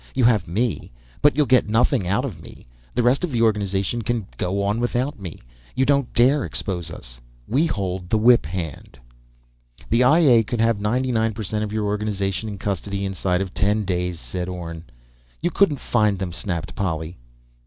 You have me, but you'll get nothing out of me. The rest of the organization can go on without me. You don't dare expose us. We hold the whip hand!" "The I A could have ninety per cent of your organization in custody inside of ten days," said Orne. "You couldn't find them!" snapped Polly.